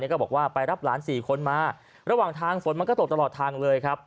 ก็บอกว่าไปรับหลานสี่คนมาระหว่างทางฝนมันก็ตกตลอดทางเลยครับ